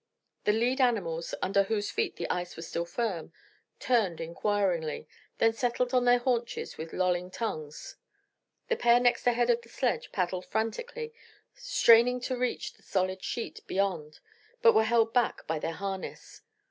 The lead animals, under whose feet the ice was still firm, turned inquiringly, then settled on their haunches with lolling tongues. The pair next ahead of the sledge paddled frantically, straining to reach the solid sheet beyond, but were held back by their harness.